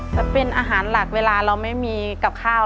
ถ้าเป็นอาหารหลักเวลาเราไม่มีกับข้าว